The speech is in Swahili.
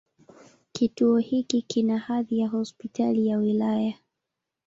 Kituo hiki kina hadhi ya Hospitali ya wilaya.